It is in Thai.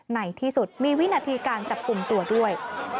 ในที่สุดมีวินาทีการจับกลุ่มตัวด้วย